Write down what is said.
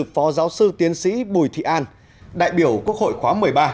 phó giáo sư tiến sĩ bùi thị an đại biểu quốc hội khóa một mươi ba